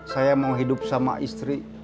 saya mau hidup sama istri